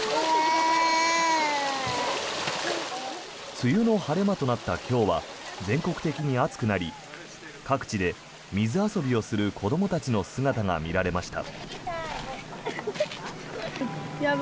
梅雨の晴れ間となった今日は全国的に暑くなり各地で水遊びをする子どもたちの姿が見られました。